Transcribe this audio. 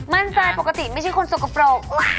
มั่นใจปกติไม่ใช่คนสกปรก